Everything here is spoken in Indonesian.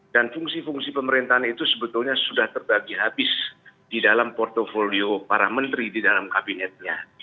dan fungsi fungsi pemerintahan itu sebetulnya sudah terbagi habis di dalam portfolio para menteri di dalam kabinetnya